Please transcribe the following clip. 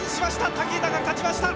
武豊勝ちました！